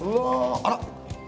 あら！